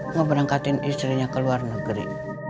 ngeberangkatin istrinya ke luar negeri